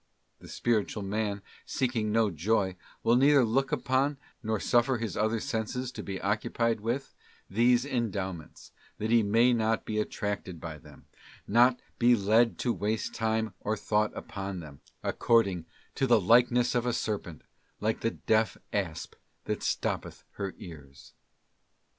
The spiritual man, seeking no joy, will neither look upon, nor suffer his other senses to be occupied with, these endowments, that he may not be attracted by them, nor be led to waste time or thought upon them, ' according to the likeness of a serpent, like the deaf asp that stoppeth her ears.